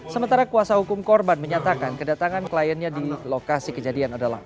sementara kuasa hukum korban menyatakan kedatangan kliennya di lokasi kejadian adalah